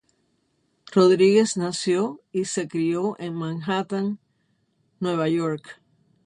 Rodríguez nació y se crio en Manhattan, Nueva York.